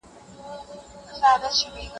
ټولنه باید د پرمختګ لپاره ټولو عواملو ته پام وکړي.